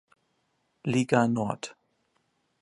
Liga Nord.